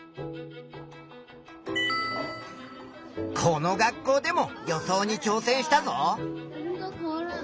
この学校でも予想にちょう戦したぞ。